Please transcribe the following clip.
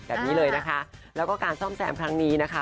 แบบนี้เลยนะคะแล้วก็การซ่อมแซมครั้งนี้นะคะ